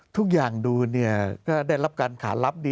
ทุกอย่างดูเนี่ยก็ได้รับการขารับดี